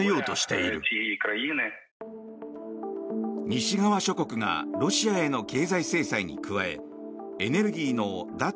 西側諸国がロシアへの経済制裁に加えエネルギーの脱